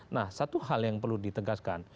nah satu hal yang perlu ditegaskan